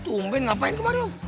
tungguin ngapain kemarin om